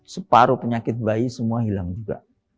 separuh penyakit bayi semua hilang juga